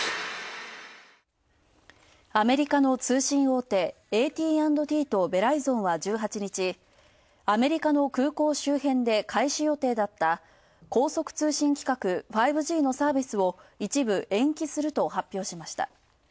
アメリカの通信大手、ＡＴ＆Ｔとベライゾンは１８日、アメリカの空港周辺で開始予定だった高速通信規格５Ｇのサービスを一部延期すると発表しました。